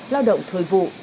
lao động thời vụ